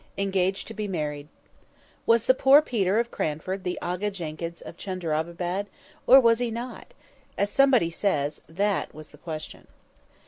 ENGAGED TO BE MARRIED WAS the "poor Peter" of Cranford the Aga Jenkyns of Chunderabaddad, or was he not? As somebody says, that was the question.